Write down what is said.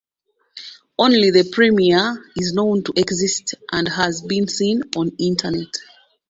Only the premiere is known to exist and has been seen on the internet.